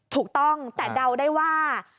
ถูกต้องแต่เดาได้ว่า